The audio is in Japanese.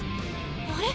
あれ？